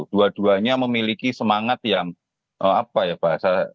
dua duanya memiliki semangat yang apa ya bahasa